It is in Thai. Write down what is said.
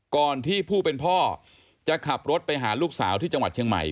ก่อนที่ผู้เป็นพ่อจะขับรถไปหาลูกสาวที่จังหวัดเชียงใหม่